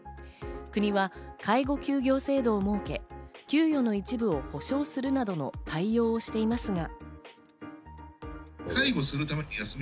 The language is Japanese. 国は介護休業制度を設け、給与の一部を保証するなどの対応をしていますが。